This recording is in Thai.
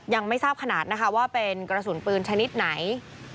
ยังไม่ทราบขนาดนะคะว่าเป็นกระสุนปืนชนิดไหน